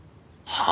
はあ？